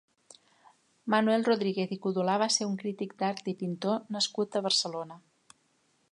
Manuel Rodríguez i Codolà va ser un crític d'art i pintor nascut a Barcelona.